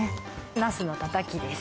ナスのたたきです